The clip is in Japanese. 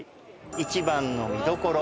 一番の見どころ